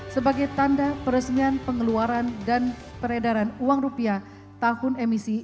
sebagai tanda peresmian pengeluaran dan peredaran uang rupiah tahun emisi dua ribu enam belas